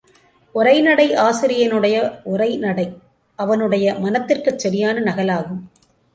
உரைநடை ஆசிரியனுடைய உரை நடை அவனுடைய மனத்திற்குச் சரியான நகலாகும்.